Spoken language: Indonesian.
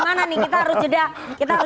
kalau kira kira itu dari segi apa saja